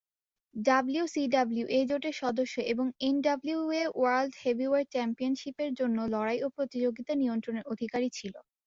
WCW এই জোটের সদস্য এবং "এনডাব্লিউএ ওয়ার্ল্ড হেভিওয়েট চ্যাম্পিয়নশিপ-"এর জন্য লড়াই ও প্রতিযোগিতা নিয়ন্ত্রণের অধিকারী ছিল।